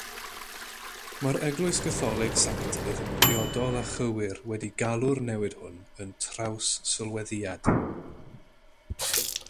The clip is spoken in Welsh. Mae'r Eglwys Gatholig sanctaidd yn briodol a chywir wedi galw'r newid hwn yn traws-sylweddiad.